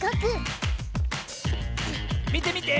みてみて！